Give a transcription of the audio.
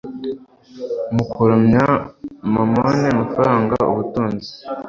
mu kuramya mamoni amafaranga ubutunzi